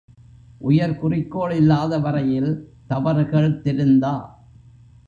உயர் குறிக்கோள் இல்லாத வரையில் தவறுகள் திருந்தா.